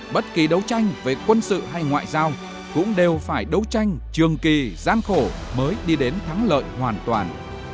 bất kỳ đấu tranh về quân sự hay ngoại giao cũng đều phải đấu tranh trường kỳ gian khổ mới đi đến thắng lợi hoàn toàn